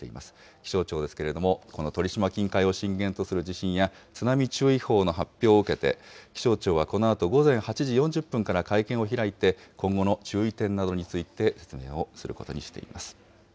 気象庁ですけれども、この鳥島近海を震源とする地震や津波注意報の発表を受けて、気象庁はこのあと午前８時４０分から、会見を開いて、今後の注意点などについて説明をすることにしています。